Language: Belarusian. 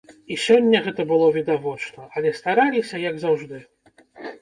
І сёння гэта было відавочна, але стараліся, як заўжды.